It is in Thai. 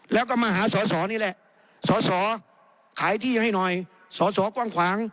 แล้วก็มาหาสอสอนี่แหละสอสอขายที่ให้หน่อยสอสอกว้างขวาง